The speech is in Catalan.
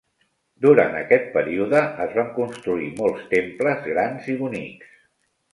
Durant aquest període es van construir molts temples grans i bonics.